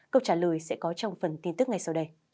câu trả lời sẽ có trong phần tin tức ngay sau đây